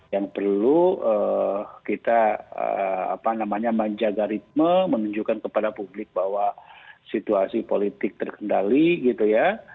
yang perlu kita menjaga ritme menunjukkan kepada publik bahwa situasi politik terkendali gitu ya